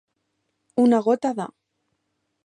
Una gota de.